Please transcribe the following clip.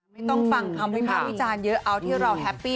ไม่ต้องฟังคำเฮ้ยวิญญาณวิคารเยอะเอาที่เราแฮปปี้